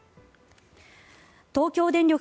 東京電力